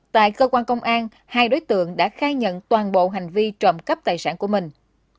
tại cơ quan công an hai đối tượng đã khai nhận toàn bộ hành vi trộm cắp tài sản của mình